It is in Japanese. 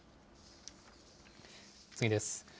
次です。